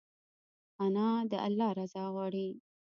انا د الله رضا غواړي